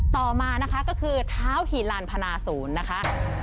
ต่อมานะคะก็คือเท้าฮีลานพนาศูนย์นะคะ